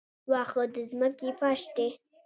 واښه د ځمکې فرش دی